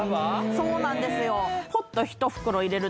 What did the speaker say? そうなんですよ